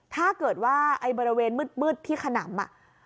ถ้าเกิดว่าไอ้บริเวณมืดที่ขนำ